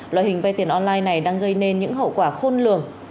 loại hình vay tiền online này đang gây nên những hậu quả khôn lường